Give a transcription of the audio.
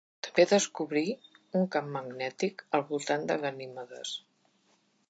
També descobrí un camp magnètic al voltant de Ganimedes.